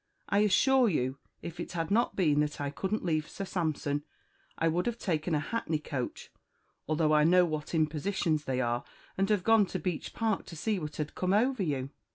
I assure you if it had not been that I couldn't leave Sir Sampson, I would have taken a hackney coach, although I know what impositions they are, and have gone to Beech Park to see what had come over you."